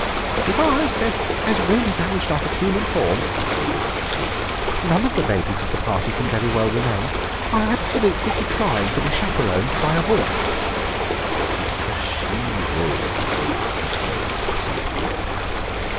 "If our hostess has really vanished out of human form," said Mrs. Hoops, "none of the ladies of the party can very well remain. I absolutely decline to be chaperoned by a wolf!" "It's a she wolf," said Clovis soothingly.